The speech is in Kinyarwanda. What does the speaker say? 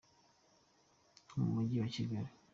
ho mu Mujyi wa Kigali.